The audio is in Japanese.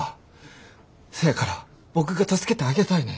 せやから僕が助けてあげたいねん。